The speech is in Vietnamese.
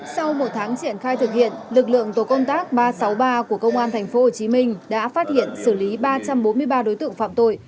sau một tháng triển khai thực hiện lực lượng tổ công tác ba trăm sáu mươi ba của công an tp hcm đã phát hiện xử lý ba trăm bốn mươi ba đối tượng phạm tội